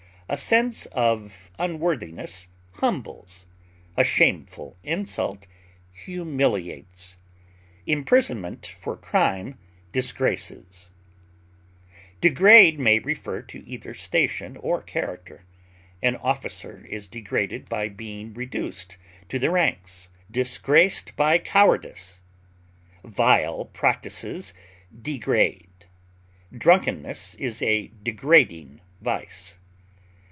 A sense of unworthiness humbles; a shameful insult humiliates; imprisonment for crime disgraces. Degrade may refer to either station or character. An officer is degraded by being reduced to the ranks, disgraced by cowardice; vile practises degrade; drunkenness is a degrading vice.